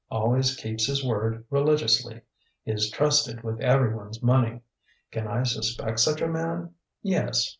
Always keeps his word religiously. Is trusted with everyone's money. Can I suspect such a man? Yes.